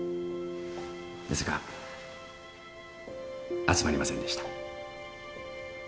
ですが集まりませんでした。